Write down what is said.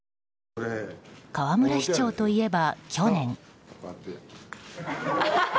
河村市長といえば去年。